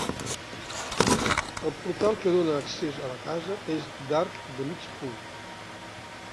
El portal que dóna accés a la casa és d'arc de mig punt.